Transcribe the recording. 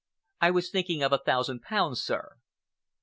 "I was thinking of a thousand pounds, sir."